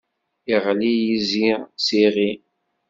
Iɣli yizi s iɣi.